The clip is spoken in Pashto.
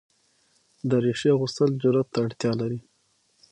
دریشي اغوستل جرئت ته اړتیا لري.